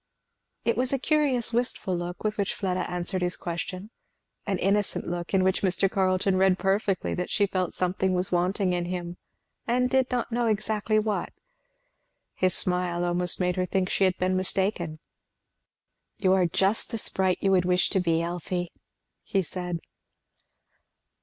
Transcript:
It was a curious wistful look with which Fleda answered his question, an innocent look, in which Mr. Carleton read perfectly that she felt something was wanting in him, and did not know exactly what. His smile almost made her think she had been mistaken. "You are just the sprite you would wish to be, Elfie," he said.